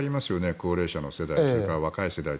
高齢者の世代それから若い世代と。